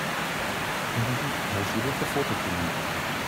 Technischen Hochschule für Photochemie.